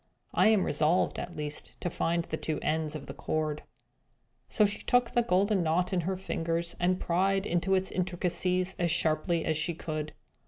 I am resolved, at least, to find the two ends of the cord." So she took the golden knot in her fingers, and pried into its intricacies as sharply as she could.